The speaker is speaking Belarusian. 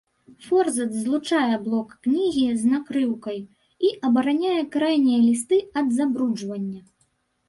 Форзац злучае блок кнігі з накрыўкай і абараняе крайнія лісты ад забруджвання.